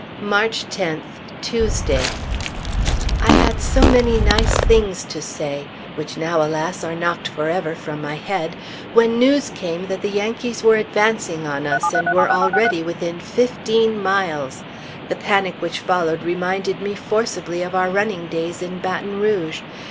March 10th, Tuesday. I had so many nice things to say which now, alas, are knocked forever from my head when news came that the Yankees were advancing on us, and were already within fifteen miles. The panic which followed reminded me forcibly of our running days in Baton Rouge.